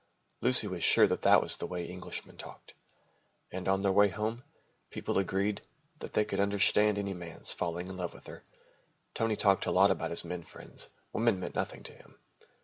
Lucy was sure that that was the way Englishmen talked. And on their way home, people agreed that they could understand any man's falling in love with her. Tony talked a lot about his men friends. Women meant nothing to him.